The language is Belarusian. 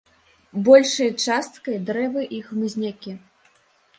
Большай часткай дрэвы і хмызнякі.